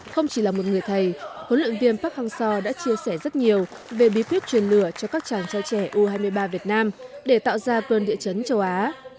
không chỉ là một người thầy huấn luyện viên park hang seo đã chia sẻ rất nhiều về bí quyết truyền lửa cho các chàng trai trẻ u hai mươi ba việt nam để tạo ra cơn địa chấn châu á